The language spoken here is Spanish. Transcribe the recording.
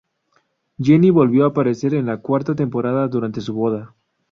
Jenny volvió a aparecer en la cuarta temporada durante su boda.